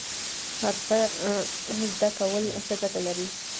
حرفه زده کول څه ګټه لري؟